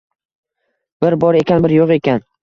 Bir bor ekan, bir yo‘q ekan.